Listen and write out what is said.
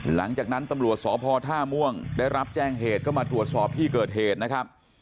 หลังจากนั้นตำรวจสพท่าม่วงได้รับแจ้งเหตุก็มาตรวจสอบที่เกิดเหตุนะครับ